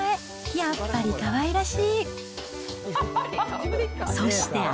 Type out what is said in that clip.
やっぱりかわいらしい。